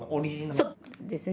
そうですね